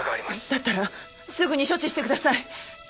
だったらすぐに処置してください！